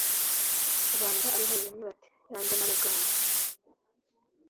Ubanza ariho ruremye bati ya Ndemarugamba